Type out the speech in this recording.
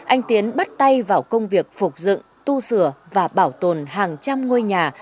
anh tiến bắt tay vào công việc phục dựng tu sửa và bảo tồn hàng trăm ngôi nhà